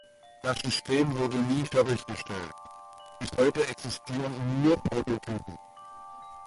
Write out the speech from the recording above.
Das System wurde nie fertiggestellt; bis heute existieren nur Prototypen.